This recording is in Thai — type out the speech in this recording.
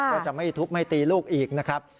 ก็จะโทษไม่ตีลูกอีกนะครับ